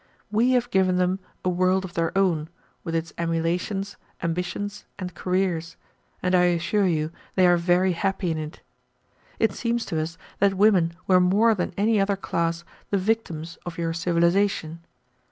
We have given them a world of their own, with its emulations, ambitions, and careers, and I assure you they are very happy in it. It seems to us that women were more than any other class the victims of your civilization.